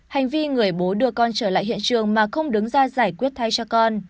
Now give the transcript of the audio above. hành vi người bố đưa con trở lại hiện trường mà không đứng ra giải quyết thay cho con